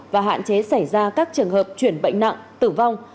và hạn chế xảy ra các trường hợp chuyển bệnh nặng tử vong